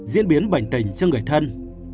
diễn biến bệnh tình cho người thân